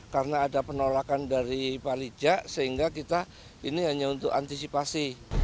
karena ada penolakan dari pak lijak sehingga kita ini hanya untuk antisipasi